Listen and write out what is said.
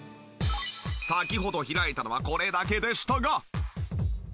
先ほど開いたのはこれだけでしたが。